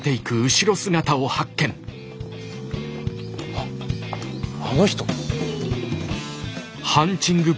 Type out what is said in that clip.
あっあの人。